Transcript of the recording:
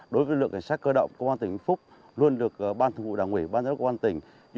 đối với lực lượng cảnh sát cơ động công an tỉnh vĩnh phúc luôn được ban thủ ngụy đảng ủy ban giáo đốc công an tỉnh